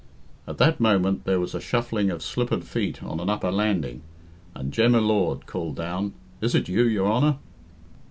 At that moment there was a shuffling of slippered feet on an upper landing, and Jem y Lord called down, "Is it you, your Honour?"